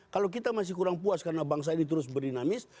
kalau kita masih kurang puas karena bangsa ini terus berdinamis